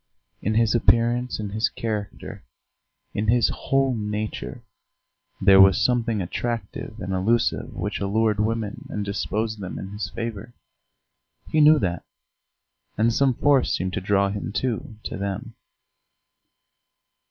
In his appearance, in his character, in his whole nature, there was something attractive and elusive which allured women and disposed them in his favour; he knew that, and some force seemed to draw him, too, to them.